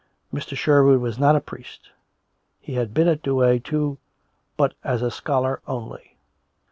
Mr. Sherwood was not a priest; he had been at Douay, too, but as a scholar only.